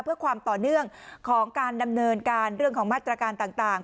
เพื่อความต่อเนื่องของการดำเนินการเรื่องของมาตรการต่าง